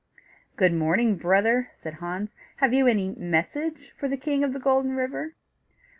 "Good morning, brother," said Hans; "have you any message for the King of the Golden River?"